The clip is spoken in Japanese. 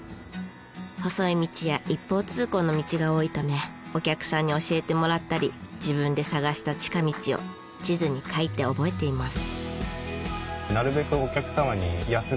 細い道や一方通行の道が多いためお客さんに教えてもらったり自分で探した近道を地図に描いて覚えています。